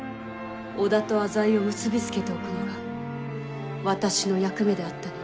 織田と浅井を結び付けておくのが私の役目であったのに。